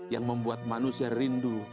yang membuat manusia rindu